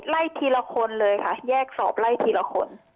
ไล่ทีละคนเลยค่ะแยกสอบไล่ทีละคน